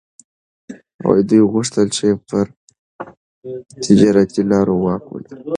دوی غوښتل چي پر تجارتي لارو واک ولري.